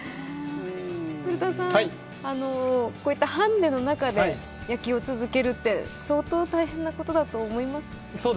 古田さん、こういったハンデの中で野球を続けるって相当大変なことだと思います